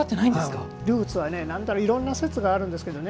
ルーツは、いろんな説があるんですけどね。